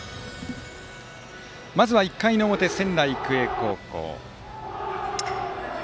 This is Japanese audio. まずは１回の表、仙台育英高校。